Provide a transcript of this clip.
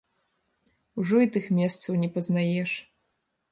Ужо і тых месцаў не пазнаеш.